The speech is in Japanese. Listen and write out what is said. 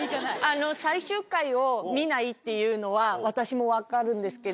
最終回を見ないっていうのは私も分かるんですけど。